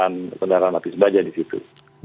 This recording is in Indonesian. ya ada kendaraan api sebajak di situ